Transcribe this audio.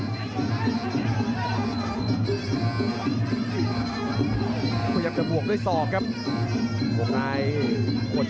พยายามจะบวกด้วยสอกครับ